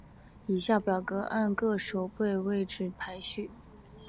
以下表格按各守备位置排序。